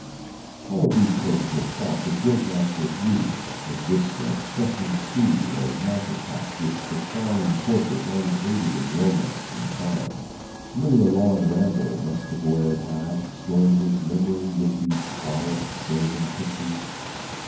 All these places are spots of great natural beauty a vista of stretching sea or mountain top which the frowning fortress only aided in romance and charm. Many a long ramble must the boy have had, storing his memory with these quiet, sylvan pictures.